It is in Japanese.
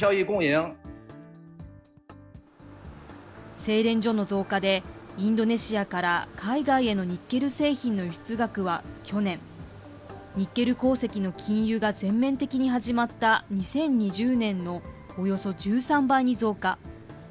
製錬所の増加で、インドネシアから海外へのニッケル製品の輸出額は去年、ニッケル鉱石の禁輸が全面的に始まった２０２０年のおよそ１３倍に増加。